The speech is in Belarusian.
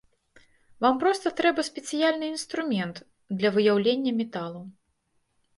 Вам проста трэба спецыяльны інструмент для выяўлення металу.